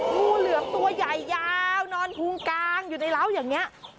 งูเหลือมตัวใหญ่ยาวนอนพุงกางอยู่ในร้าวอย่างนี้